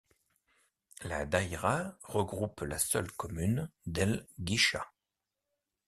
La daïra regroupe la seule commune d'El Ghicha.